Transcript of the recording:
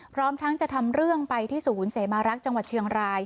พร้อมทั้งจะทำเรื่องไปที่ศูนย์เสมารักษ์จังหวัดเชียงราย